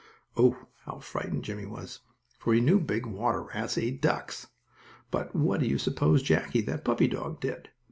Oh, how frightened Jimmie was, for he knew big water rats ate ducks. But what do you suppose Jackie, that puppy dog, did?